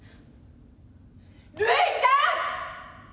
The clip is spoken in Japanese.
る以ちゃん！